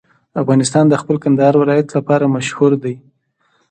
افغانستان د خپل کندهار ولایت لپاره مشهور دی.